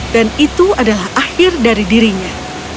dan itu adalah akhir dari dirinya